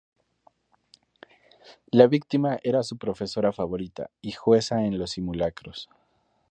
La víctima era su profesora favorita y jueza en los simulacros.